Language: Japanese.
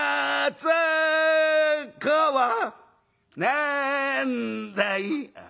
「なんだい？」。